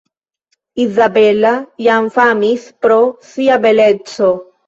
Izabela jam famis pro sia beleco.